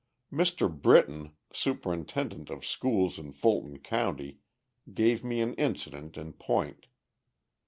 Mr. Brittain, superintendent of schools in Fulton County, gave me an incident in point.